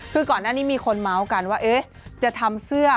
คือก่อนหน้านี้มีคนเมาส์กันว่าจะทำเสื้อ